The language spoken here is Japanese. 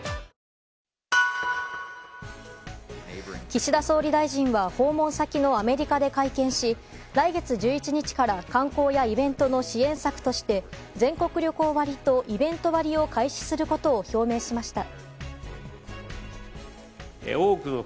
岸田総理大臣は訪問先のアメリカで会見し来月１１日から観光やイベントの支援策として全国旅行割とイベント割を開始することを表明しました。